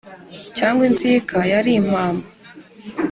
cyangwa inzika yari impamba